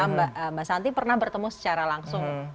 mbak santi pernah bertemu secara langsung